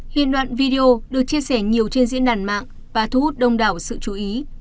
hiện đoạn video được chia sẻ nhiều trên diễn đàn mạng và thu hút đông đảo sự chú ý